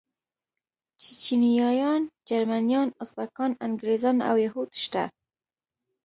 چيچنيايان، جرمنيان، ازبکان، انګريزان او يهود شته.